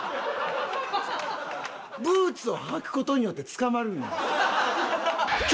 ブーツを履く事によって捕まるんよ。